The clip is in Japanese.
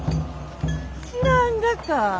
知らんがか？